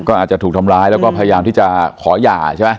ก็อาจจะถูกทำร้ายแล้วก็พยายามที่จะขอหย่าใช่ไหม